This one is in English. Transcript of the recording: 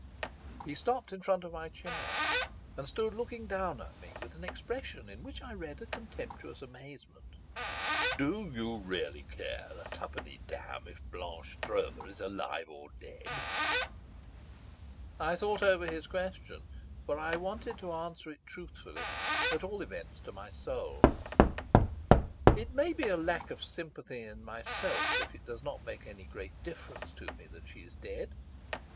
He stopped in front of my chair, and stood looking down at me with an expression in which I read a contemptuous amazement. "Do you really care a twopenny damn if Blanche Stroeve is alive or dead?" I thought over his question, for I wanted to answer it truthfully, at all events to my soul. "It may be a lack of sympathy in myself if it does not make any great difference to me that she is dead.